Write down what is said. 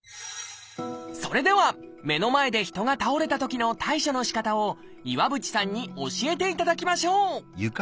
それでは目の前で人が倒れたときの対処のしかたを岩渕さんに教えていただきましょう！